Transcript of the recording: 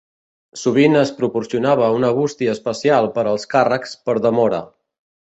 Sovint es proporcionava una bústia especial per als càrrecs per demora.